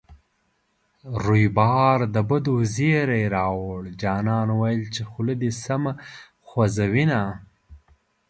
ریبار د بدو زېری راووړـــ جانان ویل چې خوله دې سمه خوزوینه